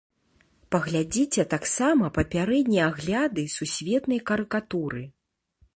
Паглядзіце таксама папярэднія агляды сусветнай карыкатуры.